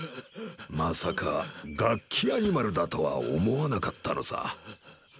まさかガッキアニマルだとは思わなかったのさ。